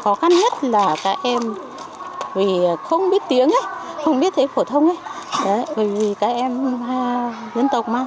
khó khăn nhất là các em vì không biết tiếng không biết thế phổ thông ấy bởi vì các em dân tộc mà